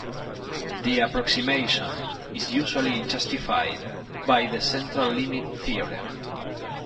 The approximation is usually justified by the central limit theorem.